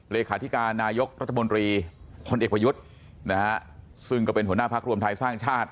เลขาธิการนายกรัฐมนตรีพลเอกประยุทธ์นะฮะซึ่งก็เป็นหัวหน้าพักรวมไทยสร้างชาติ